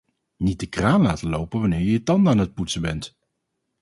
Niet de kraan laten lopen wanneer je je tanden aan het poetsen bent!